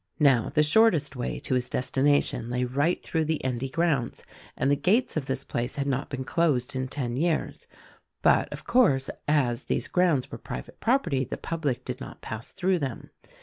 Now the shortest way to his destination lay right through the Endy grounds, and the gates of this place had not been closed in ten years; but, of course, as these grounds were private property the public did not pass through them.